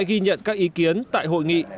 ghi nhận các ý kiến tại hội nghị